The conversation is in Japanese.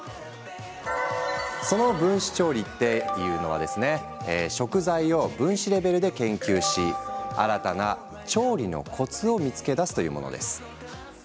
その分子調理っていうのは食材を分子レベルで研究し新たな調理のコツを見つけ出すというものです。